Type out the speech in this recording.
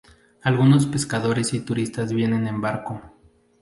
Algunos pescadores y turistas vienen en barco.